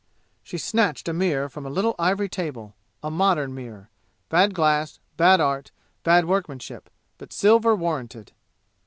She snatched a mirror from a little ivory table a modern mirror bad glass, bad art, bad workmanship, but silver warranted.